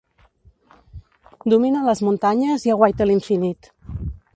Domina les muntanyes i aguaita l'infinit.